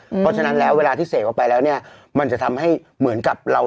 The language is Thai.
เพราะฉะนั้นแล้วเวลาที่เสพออกไปแล้วเนี่ยมันจะทำให้เหมือนกับเรา